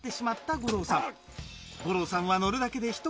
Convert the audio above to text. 五郎さん